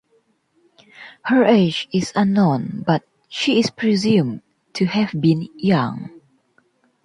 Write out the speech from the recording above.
Her age is unknown but she is presumed to have been young.